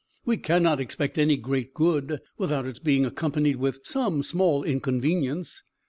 "We cannot expect any great good, without its being accompanied with some small inconvenience.